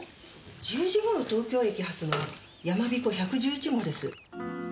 １０時頃東京駅発のやまびこ１１１号です。